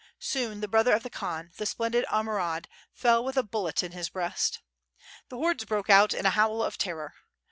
Soon the brother of the Khan, the splendid Amurad fell with a bulUet in his breast. The hordes broke out in a howl of terror.